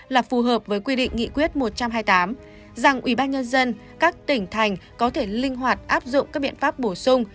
là phù hợp với quy định nghị quyết một trăm hai mươi tám rằng ubnd các tỉnh thành có thể linh hoạt áp dụng các biện pháp bổ sung